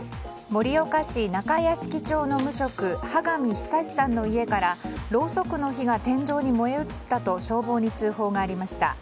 盛岡市中屋敷町の無職羽上久志さんの家からろうそくの火が天井に燃え移ったと消防に通報がありました。